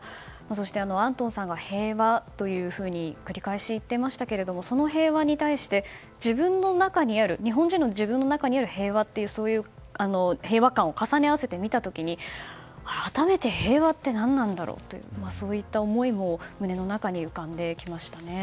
そして、アントンさんが平和というふうに繰り返し言っていましたけれどその平和に対して日本人の自分の中にある平和観を重ね合わせてみた時に改めて、平和って何なんだろうといった思いも胸の中に浮かんできましたね。